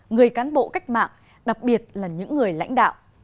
người cán bộ cách mạng đặc biệt là những người lãnh đạo